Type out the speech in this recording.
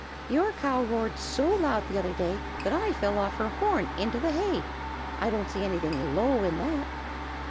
"Your cow roared so loud the other day that I fell off her horn into the hay. I don't see anything low in that."